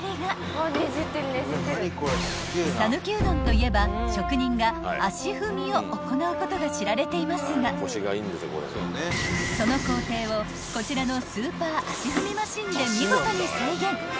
［讃岐うどんといえば職人が足踏みを行うことが知られていますがその工程をこちらのスーパー足踏みマシンで見事に再現］